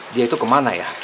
dia itu kemana ya